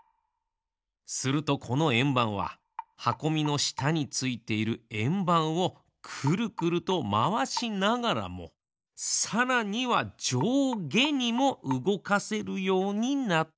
するとこのえんばんははこみのしたについているえんばんをくるくるとまわしながらもさらにはじょうげにもうごかせるようになったのです。